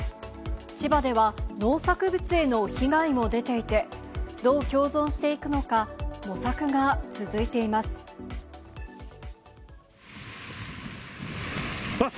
千葉では、農作物への被害も出ていて、どう共存していくのか模索が続いています。